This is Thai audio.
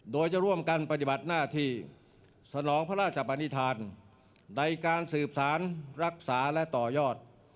โดยจะร่วมกันปฏิบัติหน้าที่สนองพระราชปนิษฐานในการสืบสารรักษาและต่อยอด